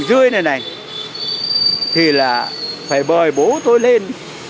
vây châu sơn